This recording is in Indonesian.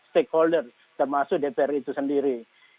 stakeholder termasuk dpr itu sendiri